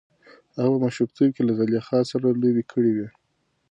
هغه په ماشومتوب کې له زلیخا سره لوبې کړې وې.